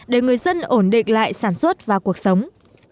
để người dân ổn định lại sản xuất và cuộc sống